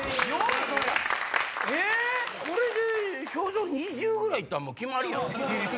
これで章造２０ぐらい行ったらもう決まりやん。